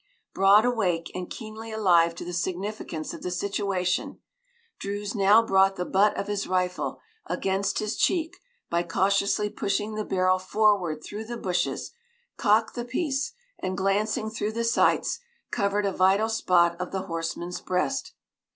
Broad awake and keenly alive to the significance of the situation, Druse now brought the butt of his rifle against his cheek by cautiously pushing the barrel forward through the bushes, cocked the piece, and, glancing through the sights, covered a vital spot of the horseman's breast.